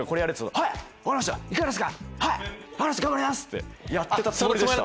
⁉はい分かりました頑張ります！」ってやってたつもりでした。